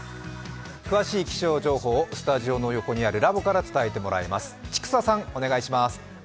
詳しい気象情報をスタジオの横にあるラボから伝えてもらいます。